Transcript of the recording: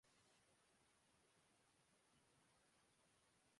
مینکس